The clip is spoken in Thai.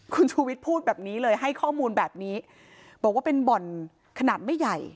คุณชูวิทย์พูดแบบนี้เลยให้ข้อมูลแบบนี้บอกว่าเป็นบ่อนขนาดไม่ใหญ่